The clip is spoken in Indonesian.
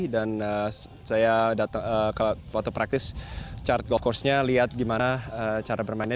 dan saya datang ke waktu praktis chart golf course nya lihat bagaimana cara bermainnya